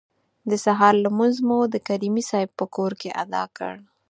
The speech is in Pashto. د سهار لمونځ مو د کریمي صیب په کور کې ادا کړ.